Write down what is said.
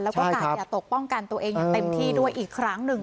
แล้วก็กาดอย่าตกป้องกันตัวเองอย่างเต็มที่ด้วยอีกครั้งหนึ่ง